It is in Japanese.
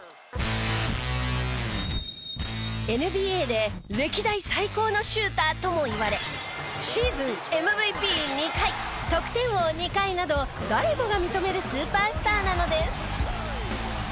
ＮＢＡで歴代最高のシューターともいわれシーズンＭＶＰ２回得点王２回など誰もが認めるスーパースターなのです。